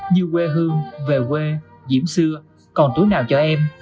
như quê hương về quê diễm xưa còn tuổi nào cho em